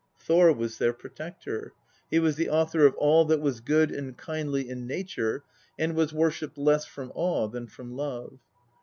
Thor was their protector ; he was the author of all that was good and kindly in nature, and was worshipped less from awe than from love.